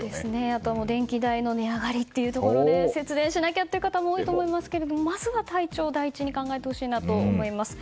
あと、電気代の値上がりで節電しなきゃという方も多いと思いますけどもまずは体調を第一に考えてもらいたいと思います。